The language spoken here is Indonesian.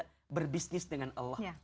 kita berbisnis dengan allah